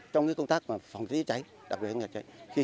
trong công tác phòng chống cháy đặc biệt là cháy rừng